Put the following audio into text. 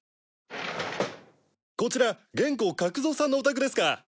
こちら元高角三さんのお宅ですか？